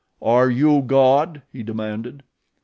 "Are you God?" he demanded.